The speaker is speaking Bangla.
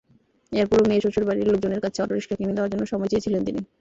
এরপরও মেয়ের শ্বশুরবাড়ির লোকজনের কাছে অটোরিকশা কিনে দেওয়ার জন্য সময় চেয়েছিলেন তিনি।